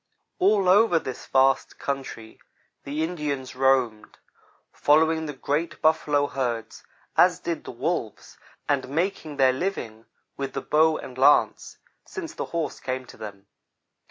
All over this vast country the Indians roamed, following the great buffalo herds as did the wolves, and making their living with the bow and lance, since the horse came to them.